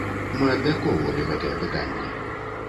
Мы абмяркоўвалі гэтае пытанне.